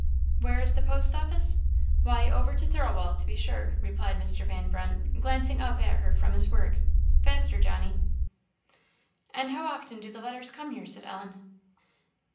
"Where is the post office? Why, over to Thirlwall, to be sure," replied Mr. Van Brunt, glancing up at her from his work "faster, Johnny." "And how often do the letters come here?" said Ellen.